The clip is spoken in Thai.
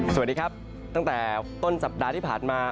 สวัสดีครับตั้งแต่ต้นสัปดาห์ที่ผ่านมา